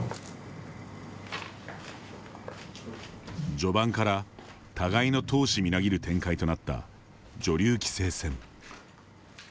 序盤から互いの闘志みなぎる展開となった女流棋聖戦。